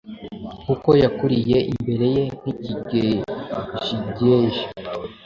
Kuko yakuriye imbere ye nk’ikigejigeji,